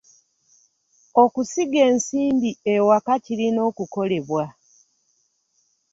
Okusiga ensimbi ewaka kirina okukolebwa.